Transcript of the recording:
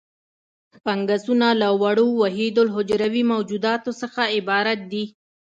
فنګسونه له وړو وحیدالحجروي موجوداتو څخه عبارت دي.